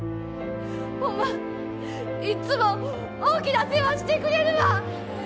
ホンマいっつも大きなお世話してくれるわ！